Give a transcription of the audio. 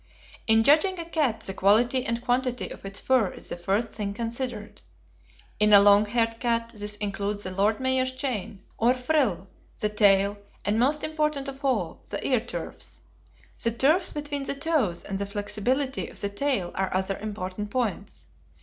In judging a cat the quality and quantity of its fur is the first thing considered. In a long haired cat this includes the "lord mayor's chain," or frill, the tail, and, most important of all, the ear tufts. The tufts between the toes and the flexibility of the tail are other important points.